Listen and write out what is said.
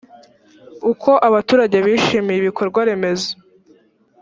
uko abaturage bishimiye ibikorwaremezo